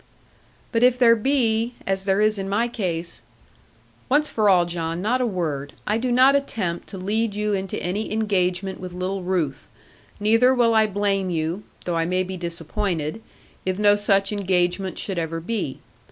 'But if there be, as there is in my case ' 'Once for all, John, not a word. I do not attempt to lead you into any engagement with little Ruth; neither will I blame you (though I may be disappointed) if no such engagement should ever be.